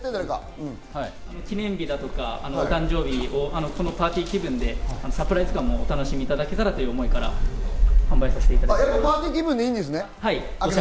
記念日だとか、お誕生日をパーティー気分でサプライズ感もお楽しみいただけたらという思いから販売させていただきました。